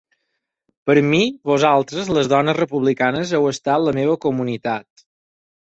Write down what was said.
Per mi, vosaltres, les dones republicanes, heu estat la meva comunitat.